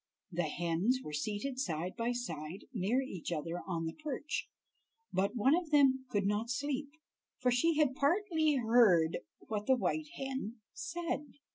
The hens were seated side by side near each other on the perch, but one of them could not sleep, for she had partly heard what the white hen said.